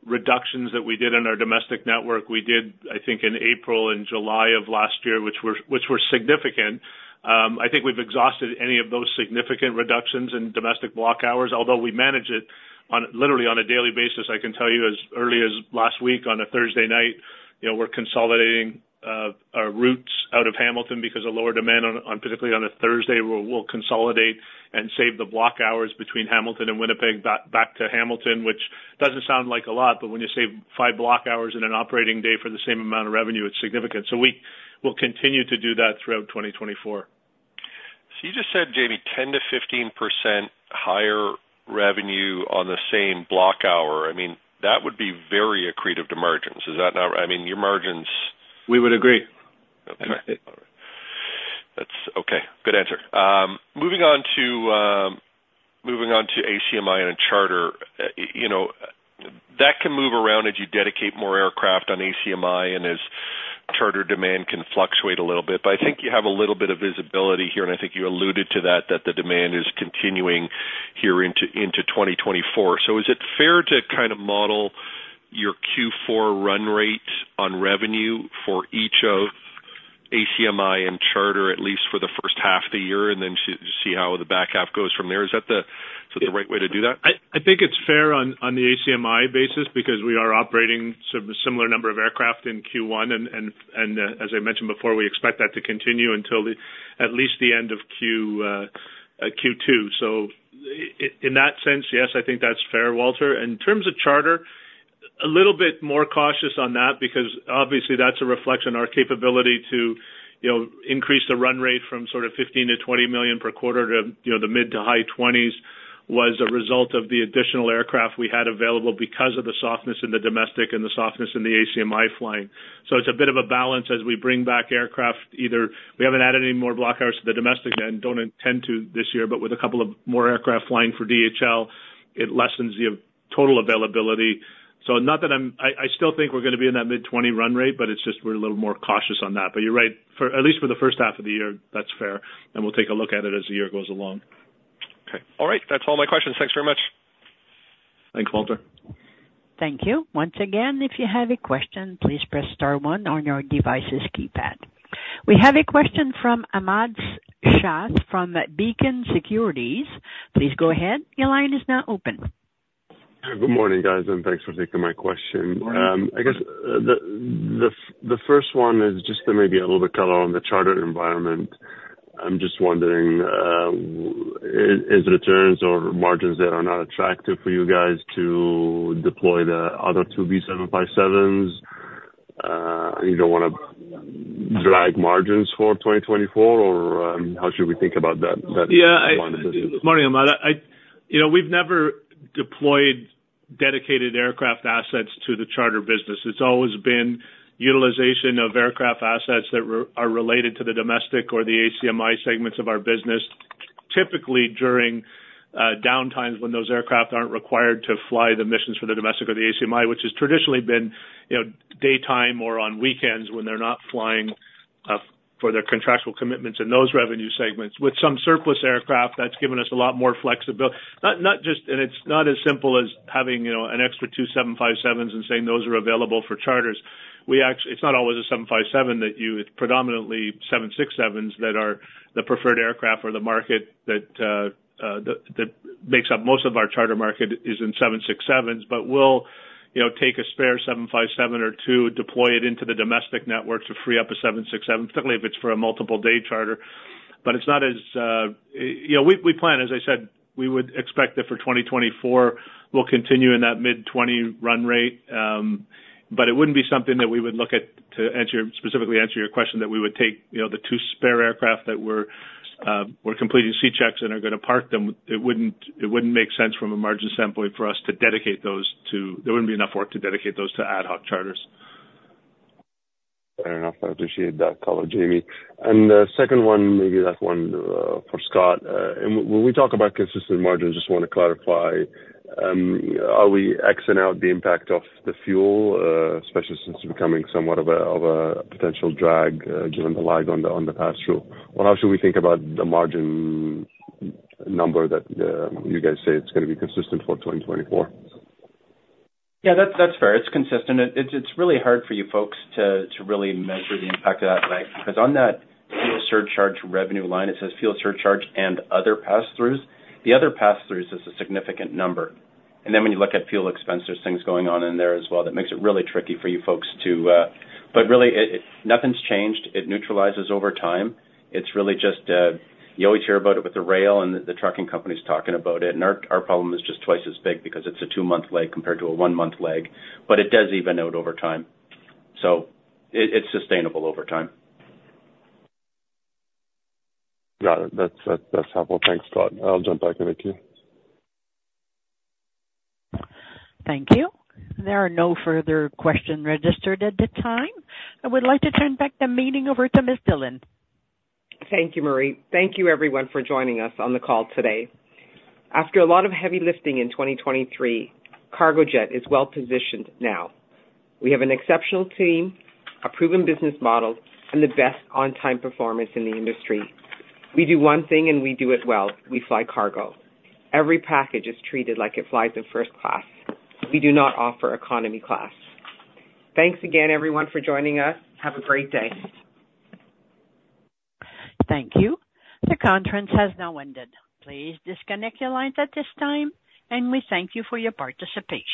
reductions that we did in our domestic network, we did, I think, in April and July of last year, which were, which were significant. I think we've exhausted any of those significant reductions in domestic block hours, although we manage it on, literally on a daily basis. I can tell you as early as last week, on a Thursday night, you know, we're consolidating our routes out of Hamilton because of lower demand, particularly on a Thursday, we'll consolidate and save the block hours between Hamilton and Winnipeg back to Hamilton, which doesn't sound like a lot, but when you save five block hours in an operating day for the same amount of revenue, it's significant. So we will continue to do that throughout 2024. So you just said, Jamie, 10%-15% higher revenue on the same block hour. I mean, that would be very accretive to margins. Is that not right? I mean, your margins- We would agree. Okay. All right. That's okay. Good answer. Moving on to ACMI and Charter. You know, that can move around as you dedicate more aircraft on ACMI and as charter demand can fluctuate a little bit. But I think you have a little bit of visibility here, and I think you alluded to that, that the demand is continuing here into 2024. So is it fair to kind of model your Q4 run rate on revenue for each of ACMI and Charter, at least for the first half of the year, and then see how the back half goes from there? Is that the right way to do that? I think it's fair on the ACMI basis because we are operating sort of a similar number of aircraft in Q1, and as I mentioned before, we expect that to continue until at least the end of Q2. So in that sense, yes, I think that's fair, Walter. In terms of charter, a little bit more cautious on that, because obviously that's a reflection on our capability to, you know, increase the run rate from sort of 15 million-20 million per quarter to, you know, the mid- to high 20s, was a result of the additional aircraft we had available because of the softness in the domestic and the softness in the ACMI flying. So it's a bit of a balance as we bring back aircraft. Either we haven't added any more block hours to the domestic and don't intend to this year, but with a couple of more aircraft flying for DHL, it lessens the total availability. So not that I'm... I, I still think we're gonna be in that mid-twenty run rate, but it's just we're a little more cautious on that. But you're right, for at least for the first half of the year, that's fair, and we'll take a look at it as the year goes along. Okay. All right. That's all my questions. Thanks very much. Thanks, Walter. Thank you. Once again, if you have a question, please press star one on your device's keypad. We have a question from Ahmad Shaath from Beacon Securities. Please go ahead. Your line is now open. Good morning, guys, and thanks for taking my question. Good morning. I guess the first one is just maybe a little bit color on the charter environment. I'm just wondering, is returns or margins that are not attractive for you guys to deploy the other two 757s? You don't wanna drag margins for 2024, or, how should we think about that. Yeah. line of business? Morning, Ahmad. You know, we've never deployed dedicated aircraft assets to the charter business. It's always been utilization of aircraft assets that are related to the domestic or the ACMI segments of our business. Typically, during downtimes when those aircraft aren't required to fly the missions for the domestic or the ACMI, which has traditionally been, you know, daytime or on weekends when they're not flying for their contractual commitments in those revenue segments. With some surplus aircraft, that's given us a lot more flexibility, not just. And it's not as simple as having, you know, an extra two 757s and saying those are available for charters. It's not always a 757. It's predominantly 767s that are the preferred aircraft for the market that makes up most of our charter market is in 767s. But we'll, you know, take a spare 757 or two, deploy it into the domestic network to free up a 767, particularly if it's for a multiple day charter. But it's not as you know, we plan, as I said, we would expect that for 2024, we'll continue in that mid-20 run rate. But it wouldn't be something that we would look at, to answer, specifically answer your question, that we would take, you know, the two spare aircraft that we're completing C-checks and are gonna park them. It wouldn't, it wouldn't make sense from a margin standpoint for us to dedicate those to-- There wouldn't be enough work to dedicate those to ad hoc charters. Fair enough. I appreciate that color, Jamie. And the second one, maybe that one, for Scott. And when we talk about consistent margins, just want to clarify, are we X-ing out the impact of the fuel, especially since it's becoming somewhat of a, of a potential drag, given the lag on the, on the pass-through? Or how should we think about the margin number that, you guys say it's gonna be consistent for 2024? Yeah, that's fair. It's consistent. It's really hard for you folks to really measure the impact of that lag, because on that fuel surcharge revenue line, it says fuel surcharge and other pass-throughs. The other pass-throughs is a significant number. And then when you look at fuel expense, there's things going on in there as well that makes it really tricky for you folks to... But really, nothing's changed. It neutralizes over time. It's really just you always hear about it with the rail and the trucking companies talking about it, and our problem is just twice as big because it's a two-month lag compared to a one-month lag. But it does even out over time. So it's sustainable over time. Got it. That's, that's helpful. Thanks, Scott. I'll jump back in the queue. Thank you. There are no further questions registered at the time. I would like to turn the meeting back over to Ms. Dhillon. Thank you, Marie. Thank you everyone for joining us on the call today. After a lot of heavy lifting in 2023, Cargojet is well positioned now. We have an exceptional team, a proven business model, and the best on-time performance in the industry. We do one thing and we do it well: we fly cargo. Every package is treated like it flies in first class. We do not offer economy class. Thanks again, everyone, for joining us. Have a great day. Thank you. The conference has now ended. Please disconnect your lines at this time, and we thank you for your participation.